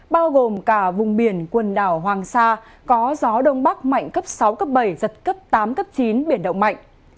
bao gồm cả vùng biển quần đảo hoàng sa có gió đông bắc mạnh cấp sáu cấp bảy giật cấp tám cấp chín biển động mạnh